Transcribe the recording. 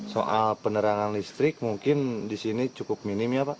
soal penerangan listrik mungkin di sini cukup minim ya pak